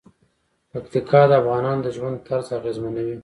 پکتیکا د افغانانو د ژوند طرز اغېزمنوي.